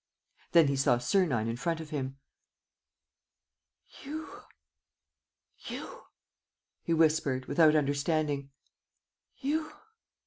... Then he saw Sernine in front of him: "You?" he whispered, without understanding. "You?